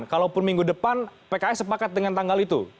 kalaupun minggu depan pks sepakat dengan tanggal itu